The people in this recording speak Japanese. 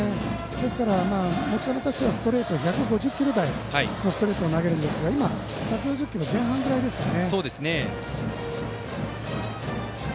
ですから、持ち球としては１５０キロ台のストレートを投げるんですが今、１４０キロ前半ぐらいですね。